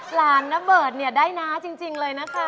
หลานน้ำเบิร์ตนี่ได้น้าจริงเลยนะคะ